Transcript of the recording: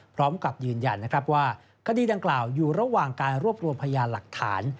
พร้อมกับยืนยันนะครับว่าคดีดังกล่าวอยู่ระหว่างการรวบรวมพยานหลักฐาน